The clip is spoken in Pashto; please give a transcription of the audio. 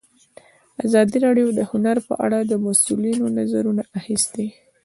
ازادي راډیو د هنر په اړه د مسؤلینو نظرونه اخیستي.